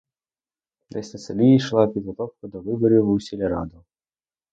Десь на селі йшла підготовка до виборів у сільраду.